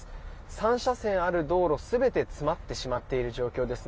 ３車線ある道路全て詰まってしまっている状況です。